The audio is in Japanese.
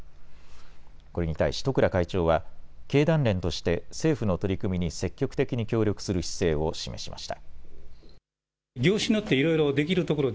これに対し十倉会長は経団連として政府の取り組みに積極的に協力する姿勢を示しました。